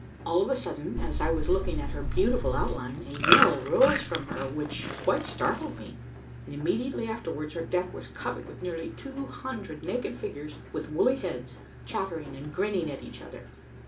All of a sudden, as I was looking at her beautiful outline, a yell rose from her which quite startled me, and immediately afterwards her deck was covered with nearly two hundred naked figures with woolly heads, chattering and grinning at each other.